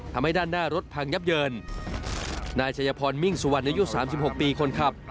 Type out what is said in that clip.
ทำให้ด้านหน้ารถพังยับเยินนายชัยพรมิ่งสุวรรณอายุสามสิบหกปีคนขับ